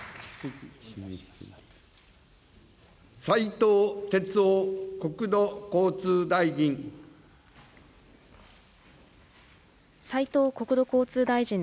斉藤鉄夫国土交通大臣。